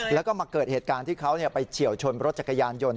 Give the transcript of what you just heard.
แล้วก็มาเกิดเหตุการณ์ที่เขาไปเฉียวชนรถจักรยานยนต์